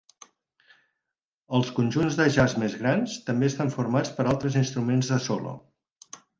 Els conjunts de jazz més grans també estan formats per altres instruments de solo.